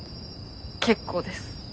結構です。